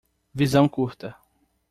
Visão curta